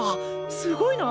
すごいな。